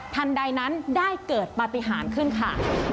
ทันใดนั้นได้เกิดปฏิหารขึ้นค่ะ